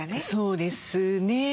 そうですね。